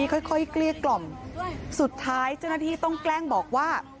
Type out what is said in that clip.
ค่อยค่อยเกลี้ยกล่อมสุดท้ายเจ้าหน้าที่ต้องแกล้งบอกว่า